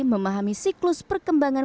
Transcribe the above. memahami siklus perkembangan